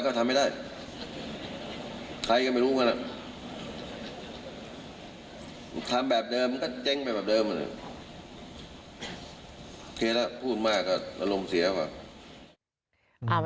ก็ทำแบบเดิมก็เจ้งแบบเดิม